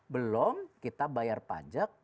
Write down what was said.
belum kita bayar pajak